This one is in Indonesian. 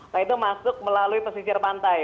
nah itu masuk melalui pesisir pantai